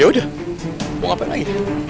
yaudah mau ngapain lagi